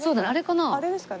あれですかね？